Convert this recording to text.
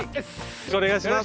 よろしくお願いします！